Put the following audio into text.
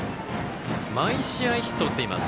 毎試合、ヒットを打っています